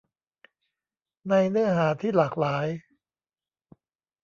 ในเนื้อหาที่หลากหลาย